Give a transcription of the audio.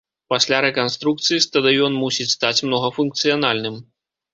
Пасля рэканструкцыі стадыён мусіць стаць многафункцыянальным.